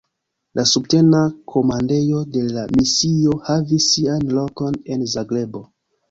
La subtena komandejo de la misio havis sian lokon en Zagrebo.